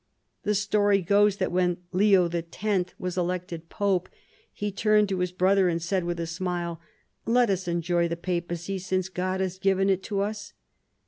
The story goes that when Leo X. was elected Pope he turned to his brother and said with a smile, " Let us enjoy the Papacy, since God has given it to us."